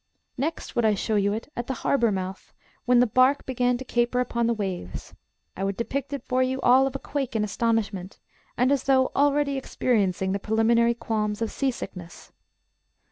Next would I show you it at the harbour mouth, when the bark began to caper upon the waves; I would depict it for you all of a quake in astonishment, and as though already experiencing the preliminary qualms of sea sickness.